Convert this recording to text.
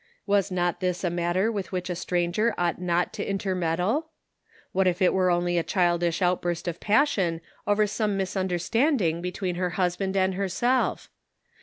Was not this a matter with which a stranger ought not to intermeddle ? What if it were only a childish outburst of passion over some misunderstanding between her husband and herself